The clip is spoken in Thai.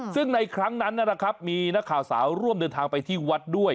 ซึ่งในครั้งนั้นนะครับมีนักข่าวสาวร่วมเดินทางไปที่วัดด้วย